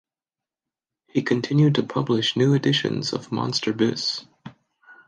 He continued to publish new editions of "Monster Bis".